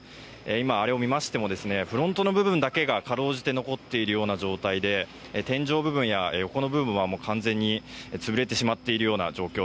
今、あれを見ましてもフロントの部分だけがかろうじて残っているような状態で天井部分や横の部分は完全に潰れています。